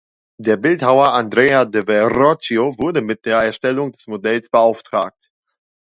Der Bildhauer Andrea del Verrocchio wurde mit der Erstellung des Modells beauftragt.